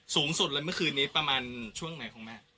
สูงสุดเลยเมื่อคืนนี้ประมาณช่วงไหนของแม่